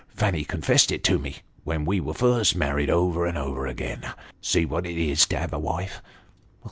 Fanny confessed it to me, when we were first married over and over again see what it is to have a wife."